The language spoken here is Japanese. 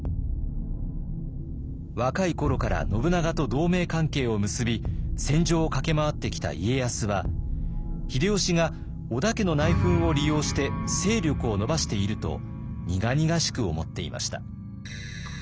若い頃から信長と同盟関係を結び戦場を駆け回ってきた家康は秀吉が織田家の内紛を利用して勢力を伸ばしていると苦々しく思っていました。